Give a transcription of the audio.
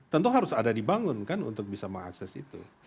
tentu harus ada dibangun kan untuk bisa mengakses itu